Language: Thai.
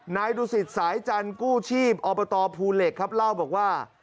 นายดูสิตสายจันทร์กู้ชีพอบตภูเหล็กครับเล่าบอกว่า